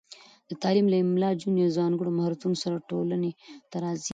د تعلیم له امله، نجونې د ځانګړو مهارتونو سره ټولنې ته راځي.